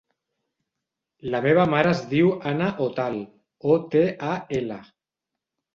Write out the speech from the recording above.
La meva mare es diu Ana Otal: o, te, a, ela.